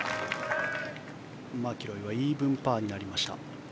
マキロイはイーブンパーになりました。